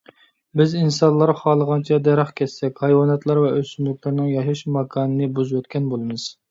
بىز ئىنسانلار خالىغانچە دەرەخ كەسسەك، ھايۋاناتلار ۋە ئۆسۈملۈكلەرنىڭ ياشاش ماكانىنى بۇزۇۋەتكەن بولىمىز.